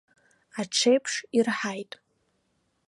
Аҽеиԥш ирҳаит.